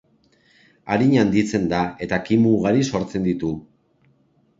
Arin handitzen da eta kimu ugari sortzen ditu.